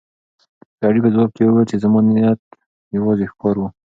سړي په ځواب کې وویل چې زما نیت یوازې ښکار و.